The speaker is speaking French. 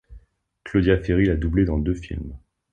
Claudia Ferri l'a doublée dans deux films.